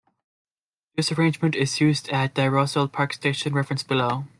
This arrangement is used at the Roselle Park Station referenced below.